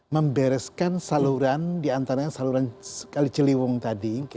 membereskan saluran di antaranya saluran ciliwung tadi